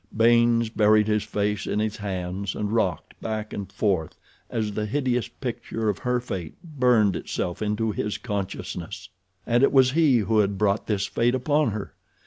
Baynes buried his face in his hands and rocked back and forth as the hideous picture of her fate burned itself into his consciousness. And it was he who had brought this fate upon her!